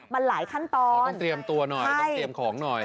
มันหลายขั้นตอนต้องเตรียมตัวหน่อยต้องเตรียมของหน่อย